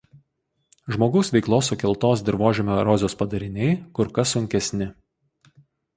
Žmogaus veiklos sukeltos dirvožemio erozijos padariniai kur kas sunkesni.